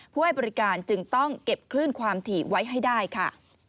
ให้บริการจึงต้องเก็บคลื่นความถี่ไว้ให้ได้ค่ะ